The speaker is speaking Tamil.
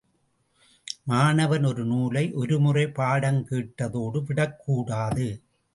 மாணவன் ஒரு நூலை ஒரு முறை பாடங் கேட்டதோடு விடக் கூடாது.